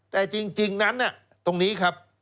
แต่จริงนั้นตรงนี้ครับ